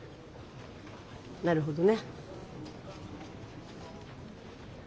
なるほどね。